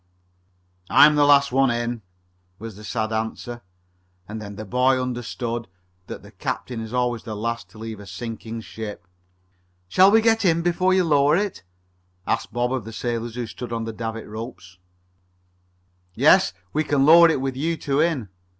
"I'm the last one in," was the sad answer, and then the boy understood that the captain is always the last to leave a sinking ship. "Shall we get in before you lower it?" asked Bob of the sailors who stood at the davit ropes. "Yes. We can lower it with you two in.